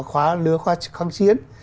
khóa lứa kháng chiến